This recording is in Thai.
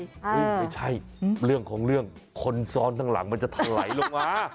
ไม่ใช่เรื่องของเรื่องคนซ้อนข้างหลังมันจะถลายลงมา